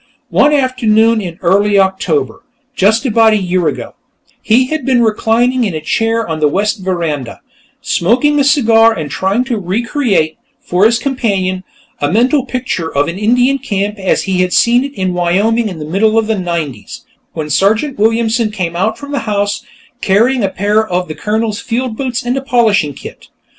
One afternoon in early October just about a year ago he had been reclining in a chair on the west veranda, smoking a cigar and trying to re create, for his companion, a mental picture of an Indian camp as he had seen it in Wyoming in the middle '90's, when Sergeant Williamson came out from the house, carrying a pair of the Colonel's field boots and a polishing kit.